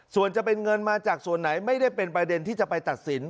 ส่วนจะเป็นเงินมาจากส่วนไหนไม่ได้เป็นประเด็นที่จะไปตัดสิน